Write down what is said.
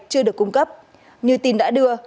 chưa được cung cấp như tin đã đưa